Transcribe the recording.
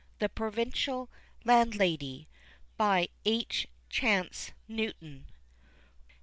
_) THE PROVINCIAL LANDLADY. H. CHANCE NEWTON.